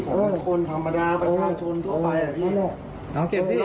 ผมเป็นคนธรรมดาประชาชนทั่วไปอ่ะพี่หรอ